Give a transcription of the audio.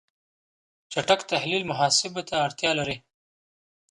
چټک تحلیل محاسبه ته اړتیا لري.